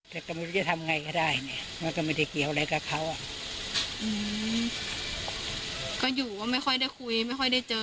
แต่ก็ไม่รู้จะทำไงก็ได้เนี่ยมันก็ไม่ได้เกี่ยวอะไรกับเขาอ่ะอืมก็อยู่ก็ไม่ค่อยได้คุยไม่ค่อยได้เจอ